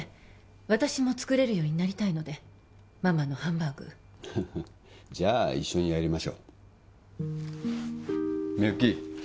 私も作れるようになりたいのでママのハンバーグハハじゃあ一緒にやりましょうみゆき